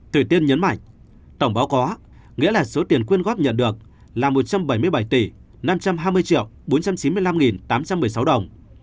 tùy tiên nhấn mạnh tổng báo có nghĩa là số tiền quyên góp nhận được là một trăm bảy mươi bảy tỷ năm trăm hai mươi triệu bốn trăm chín mươi năm tám trăm một mươi sáu đồng